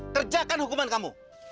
kerjakan hukuman kamu